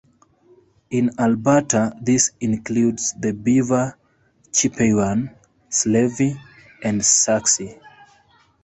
In Alberta this includes the Beaver, Chipewyan, Slavey, and Sarcee.